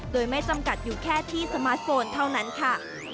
โดยไม่จำกัดอยู่แค่ที่สมาร์ทโฟนเท่านั้นค่ะ